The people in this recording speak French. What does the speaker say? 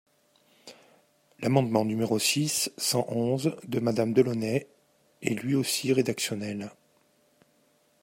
L’amendement numéro six cent onze, de Madame Delaunay, est lui aussi rédactionnel.